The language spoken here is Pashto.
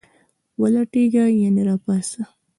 ولټیږه ..یعنی را پاڅه